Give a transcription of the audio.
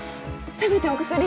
せめてお薬を。